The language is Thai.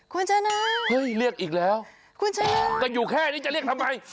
คุณชนะเฮ้ยเรียกอีกแล้วคุณชนะจะอยู่แค่นี้จะเรียกทำไม